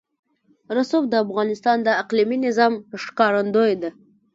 رسوب د افغانستان د اقلیمي نظام ښکارندوی ده.